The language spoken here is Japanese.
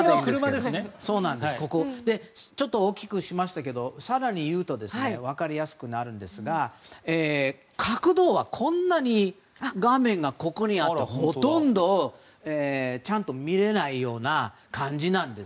ちょっと大きくしましたが更に言うと分かりやすくなるんですが角度はこんなんで画面がここにあってほとんどちゃんと見れない感じなんです。